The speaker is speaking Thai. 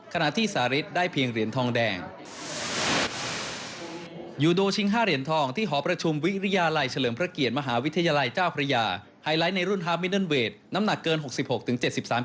ขณะที่สาริทได้เพียงเหรียญทองแดง